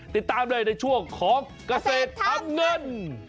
ติดตามเลยในช่วงของเกษตรทำเงิน